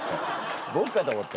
僕かと思った。